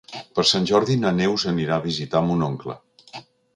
Per Sant Jordi na Neus anirà a visitar mon oncle.